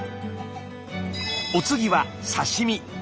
お次は刺身。